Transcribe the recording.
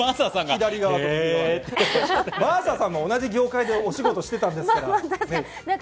真麻さんも同じ業界でお仕事してましたよね？